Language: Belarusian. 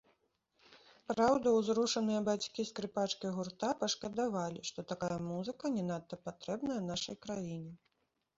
Праўда, узрушаныя бацькі скрыпачкі гурта пашкадавалі, што такая музыка не надта патрэбная нашай краіне.